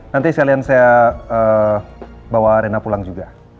nanti sekalian saya bawa arena pulang juga